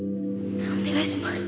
お願いします！